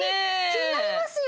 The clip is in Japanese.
気になりますよ！